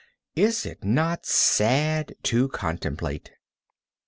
Is it not sad to contemplate?